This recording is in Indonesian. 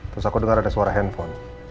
terus aku dengar ada suara handphone